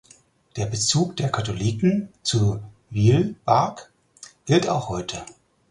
Der Bezug der Katholiken zu Wielbark gilt auch heute.